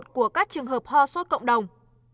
của các trường hợp ho sốt cộng đồng